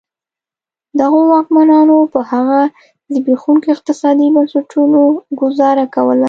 دغو واکمنانو په هغه زبېښونکو اقتصادي بنسټونو ګوزاره کوله.